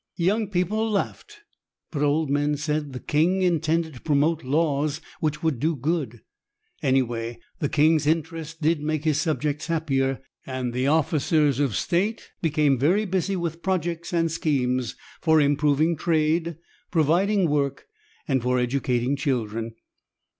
Young people laughed, but old men said the king intended to promote laws which would do good. Anyway, the king's interest did make his subjects happier, and the officers of state became very busy with projects and schemes for improving trade, providing work and for educating children.